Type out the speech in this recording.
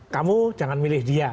kamu jangan milih dia